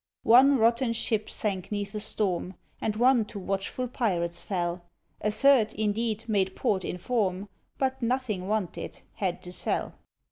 One rotten ship sank 'neath a storm, And one to watchful pirates fell; A third, indeed, made port in form, But nothing wanted had to sell.